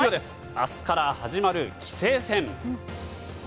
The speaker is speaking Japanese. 明日から始まる棋聖戦。